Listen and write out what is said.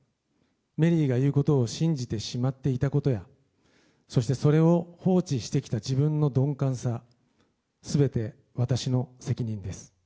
メリーが言うことを信じてしまっていたことや、そしてそれを放置してきた自分の鈍感さ、すべて私の責任です。